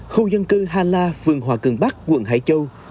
khu dân cư ha la phường hòa cường bắc quận hải châu